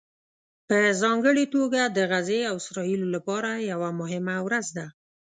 په ځانګړې توګه د غزې او اسرائیلو لپاره یوه مهمه ورځ ده